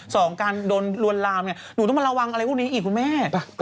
สองการโดนลวนลามเนี่ยหนูต้องมาระวังอะไรพวกนี้อีกคุณแม่